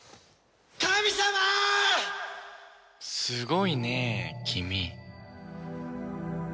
すごいね君。